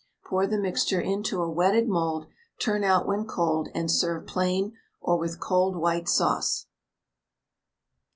Pour the mixture into a wetted mould; turn out when cold, and serve plain or with cold white sauce.